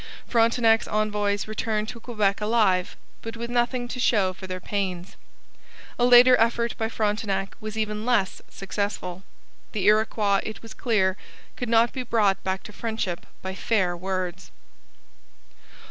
Frontenac's envoys returned to Quebec alive, but with nothing to show for their pains. A later effort by Frontenac was even less successful. The Iroquois, it was clear, could not be brought back to friendship by fair words.